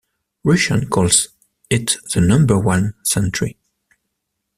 Russians call it the "Number One Sentry".